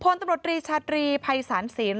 พลตำรวจรีชาตรีภัยศาลศีล